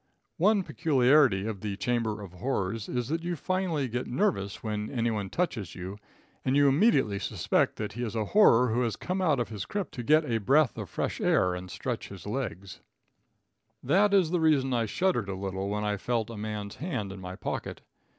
One peculiarity of the chamber of horrors is that you finally get nervous when anyone touches you, and you immediately suspect that he is a horror who has come out of his crypt to get a breath of fresh air and stretch his legs. [Illustration: HE WAS GREATLY ANNOYED.] That is the reason I shuddered a little when I felt a man's hand in my pocket.